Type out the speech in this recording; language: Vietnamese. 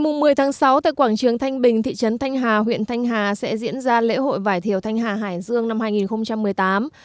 ngày một mươi tháng sáu tại quảng trường thanh bình thị trấn thanh hà huyện thanh hà sẽ diễn ra lễ hội vải thiều thanh hà hải dương năm hai nghìn một mươi tám